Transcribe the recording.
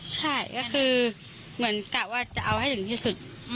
ใช่ก็คือเหมือนกะว่าจะเอาให้ถึงที่สุด